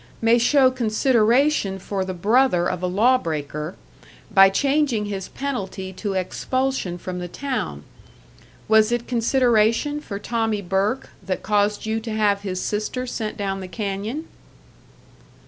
may show consideration for the brother of a law breaker, by changing his penalty to expulsion from the town. Was it consideration for Tommie Burke that caused you to have his sister sent down the canyon?"